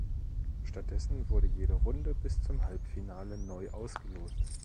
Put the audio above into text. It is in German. Stattdessen wurde jede Runde bis zum Halbfinale neu ausgelost.